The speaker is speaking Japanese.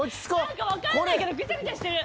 何かわかんないけどぐちゃぐちゃしてる。